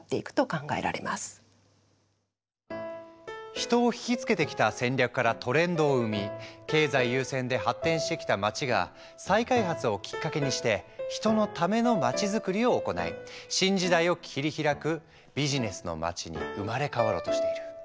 人を引きつけてきた戦略からトレンドを生み経済優先で発展してきた街が再開発をきっかけにして人のためのまちづくりを行い新時代を切り開くビジネスの街に生まれ変わろうとしている。